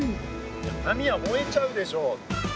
いや紙は燃えちゃうでしょ。